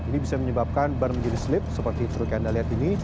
ini bisa menyebabkan ban menjadi slip seperti anda lihat ini